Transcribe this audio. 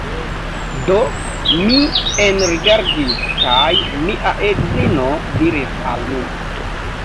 Do, mi enrigardis kaj mia edzino diris al mi